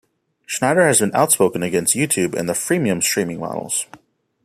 Schneider has been outspoken against YouTube and the "freemium" streaming models.